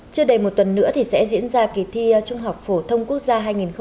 chưa đầy một tuần nữa thì sẽ diễn ra kỳ thi trung học phổ thông quốc gia hai nghìn một mươi chín